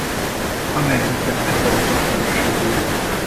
Amenhotephez adta feleségül.